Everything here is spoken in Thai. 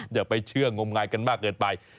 อย่าไปเชื่องมงายกันมากเกินไป